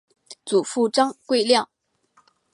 祖父张贵谅。